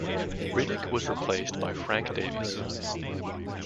Riddick was replaced by Frank Davis.